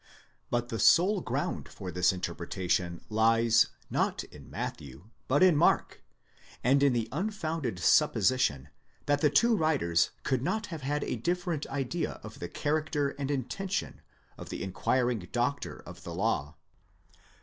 But the sole ground for this interpretation lies, not in Matthew, but in Mark, and in the unfounded supposition that the two writers could not have a different idea of the character and intention of the inquiring doctor of the law.